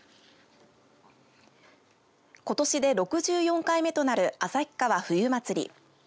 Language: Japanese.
ことしで６４回目となる旭川冬まつり。